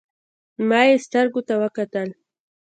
ما يې سترګو ته وکتل.